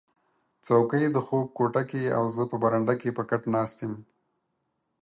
څوکی د خوب کوټه کې او زه په برنډه کې په کټ ناست یم